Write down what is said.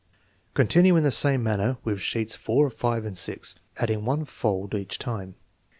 Continue in the same manner with sheets four, five, and six, adding one fold each time.